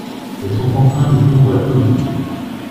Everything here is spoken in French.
Elles sont en train de tondre la pelouse.